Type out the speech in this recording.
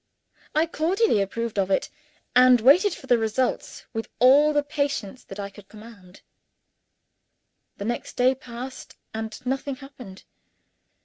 I cordially approved of it; and waited for the results with all the patience that I could command. The next day passed, and nothing happened.